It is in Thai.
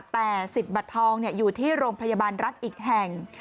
แต่สิทธิ์บัตรทองอยู่ที่โรงพยาบาลรัฐอีกแห่ง